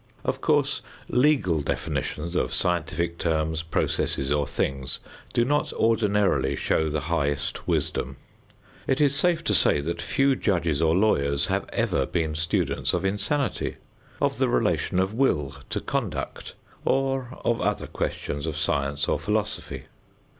Of course, legal definitions of scientific terms, processes, or things, do not ordinarily show the highest wisdom. It is safe to say that few judges or lawyers have ever been students of insanity, of the relation of "will" to "conduct," or of other questions of science or philosophy.